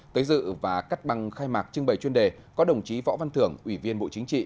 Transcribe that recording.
tới dự và cắt băng khai mạc trưng bày chuyên đề có đồng chí võ văn thưởng ủy viên bộ chính trị